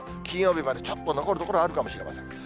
金曜日までちょっと残る所あるかもしれません。